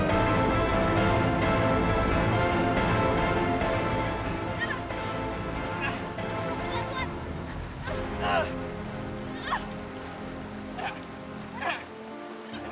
aku tak tahu apa apa sama era